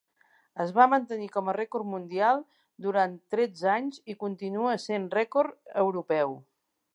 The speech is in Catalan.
Es va mantenir com a rècord mundial durant tretze anys i continua essent rècord europeu.